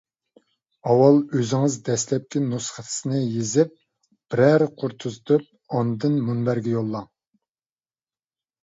ئاۋۋال ئۆزىڭىز دەسلەپكى نۇسخىسىنى يېزىپ بىرەر قۇر تۈزىتىپ، ئاندىن مۇنبەرگە يوللاڭ.